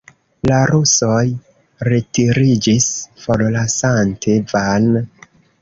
La rusoj retiriĝis, forlasante Van.